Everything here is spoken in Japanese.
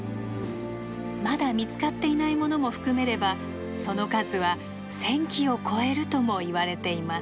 まだ見つかっていないものも含めればその数は１，０００基を超えるともいわれています。